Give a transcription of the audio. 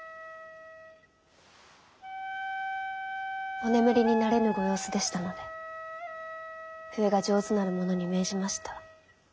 お眠りになれぬご様子でしたので笛が上手なる者に命じました。